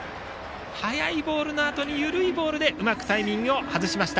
速いボールのあとに緩いボールでうまくタイミングを外しました。